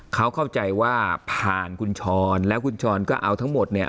เขาเข้าใจว่าผ่านคุณช้อนแล้วคุณช้อนก็เอาทั้งหมดเนี่ย